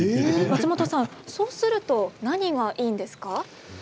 松本さん、そうすると何がいいんですか？